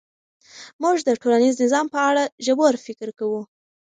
موږ د ټولنیز نظام په اړه ژور فکر کوو.